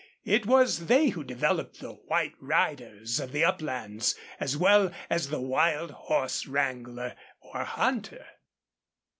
It was they who developed the white riders of the uplands as well as the wild horse wrangler or hunter.